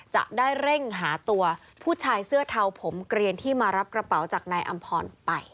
จะได้เร่งหาตัวผู้ชายเสื้อเทาผมเกลียนที่มารับกระเป๋าจากนายอำพรไป